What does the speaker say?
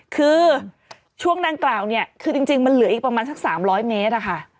คือช่วงดังกล่าวเนี่ยคือจริงมันเหลืออีกประมาณสัก๓๐๐เมตรอะค่ะ